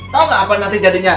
tau gak apa nanti jadinya